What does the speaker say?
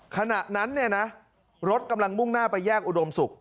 ขณะนั้นเนี่ยนะรถกำลังมุ่งหน้าไปแยกอุดมศุกร์